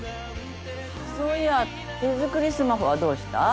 そういや手作りスマホはどうした？